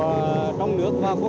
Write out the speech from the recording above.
và trong đó có những tiệc mục